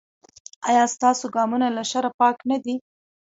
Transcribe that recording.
ایا ستاسو ګامونه له شر پاک نه دي؟